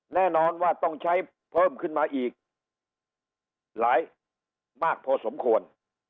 แน่นอนว่าต้องใช้เพิ่มขึ้นมาอีกหลายมากพอสมควร